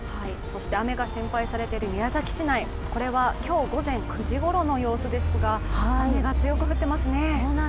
雨が心配されている宮崎市内、これは今日午前９時ごろの様子ですが雨が強く降っていますね。